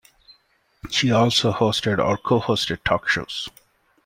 She also hosted or co-hosted talk shows.